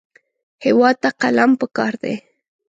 هېواد ته قلم پکار دی